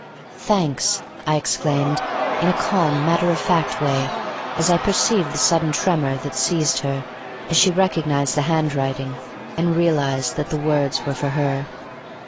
"Thanks!" I exclaimed in a calm matter of fact way as I perceived the sudden tremor that seized her as she recognized the handwriting and realized that the words were for her.